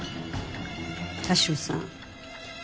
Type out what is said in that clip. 田代さん